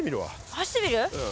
走ってみる？